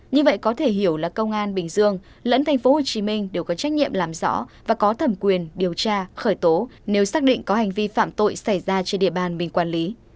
như vậy có thể hiểu là công an bình dương lẫn thành phố hồ chí minh đều có trách nhiệm làm rõ và có thẩm quyền điều tra khởi tố nếu xác định có hành vi phạm tội xảy ra trên địa bàn mình quản lý